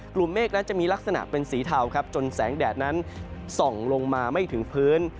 เมฆนั้นจะมีลักษณะเป็นสีเทาครับจนแสงแดดนั้นส่องลงมาไม่ถึงพื้น